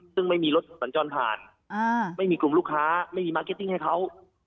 ซึ่งไม่มีรถสัญจรผ่านไม่มีกลุ่มลูกค้าไม่มีมาร์เก็ตติ้งให้เขา